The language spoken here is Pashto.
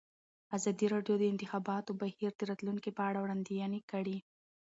ازادي راډیو د د انتخاباتو بهیر د راتلونکې په اړه وړاندوینې کړې.